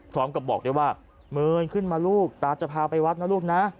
พร้อมกับบอกได้ว่ามืนขึ้นมาลูกตาจะพาไปวัดนะลูกนะ